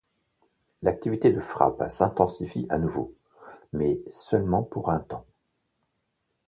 L’activité de frappe s’intensifie à nouveau, mais seulement pour un temps.